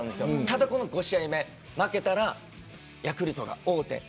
ただ、この５試合目は負けたらヤクルトが王手。